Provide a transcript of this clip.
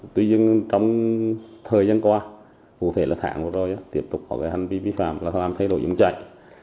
tuy nhiên trong thời gian qua cụ thể tháng tuần tiếp tục hành vi vi phạm và làm thay đổi rừng chảy